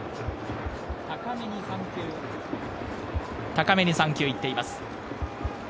高めに３球いっています。